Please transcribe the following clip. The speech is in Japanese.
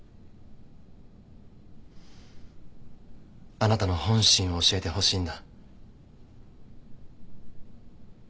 あなたの本心を教えてほしいんだ。